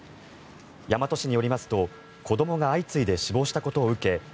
大和市によりますと、子どもが相次いで死亡したことを受け